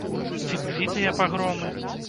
Ці былі тыя пагромы?